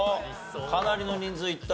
かなりの人数いった。